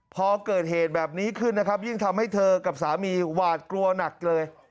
พอเกิดเหตุแบบนี้ขึ้นนะครับยิ่งทำให้เธอกับสามีหวาดกลัวหนักเลย